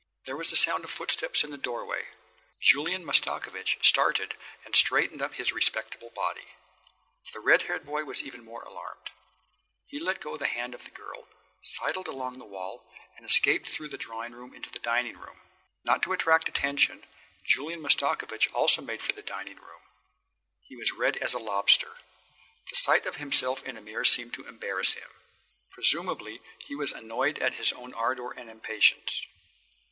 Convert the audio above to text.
There was a sound of footsteps in the doorway. Julian Mastakovich started and straightened up his respectable body. The red haired boy was even more alarmed. He let go the girl's hand, sidled along the wall, and escaped through the drawing room into the dining room. Not to attract attention, Julian Mastakovich also made for the dining room. He was red as a lobster. The sight of himself in a mirror seemed to embarrass him. Presumably he was annoyed at his own ardour and impatience.